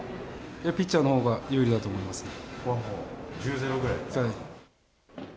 ピッチャーのほうが有利だと思いますね。